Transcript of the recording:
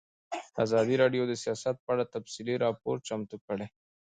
ازادي راډیو د سیاست په اړه تفصیلي راپور چمتو کړی.